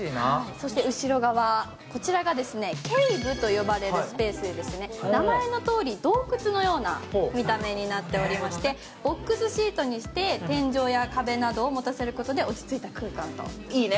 そして後ろ側、こちらがＣａｖｅと呼ばれるスペースでして名前のとおり洞窟のような見た目になっておりまして、ボックスシートにして天井や壁などをもたせることで落ち着いた空間となっています。